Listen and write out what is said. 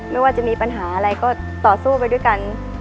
ไม่ว่าจะมีปัญหาอะไรก็ต่อสู้ไปด้วยกัน